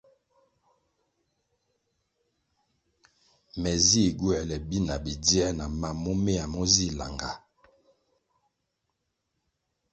Me zih gywoēle bi na bidzie na mam momeya mo zih langah.